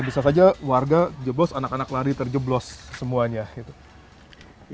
bisa saja warga jeblos anak anak lari terjeblos semuanya gitu